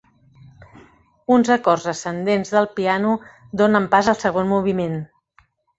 Uns acords ascendents del piano donen pas al segon moviment.